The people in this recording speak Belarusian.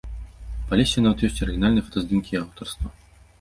Палесся нават ёсць арыгінальныя фотаздымкі яе аўтарства.